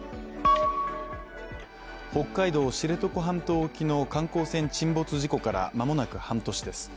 北海道・知床半島沖の観光船沈没事故から間もなく半年です。